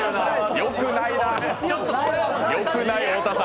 よくないよ、太田さん。